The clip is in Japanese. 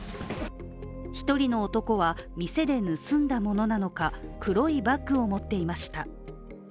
１人の男は店で盗んだものなのか、黒いバッグを持っていました。